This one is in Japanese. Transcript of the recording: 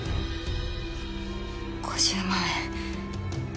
５０万円。